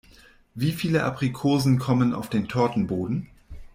Wie viele Aprikosen kommen auf den Tortenboden?